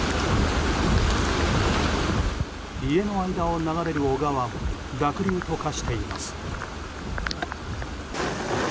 家の間を流れる小川も濁流と化しています。